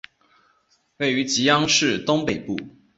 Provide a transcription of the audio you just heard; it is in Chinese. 位于吉安市东北部。